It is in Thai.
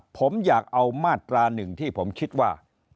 ผมอยากเอามาตราหนึ่งที่ผมคิดว่า